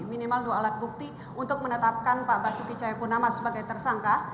minimal dua alat bukti untuk menetapkan pak basuki cahayapunama sebagai tersangka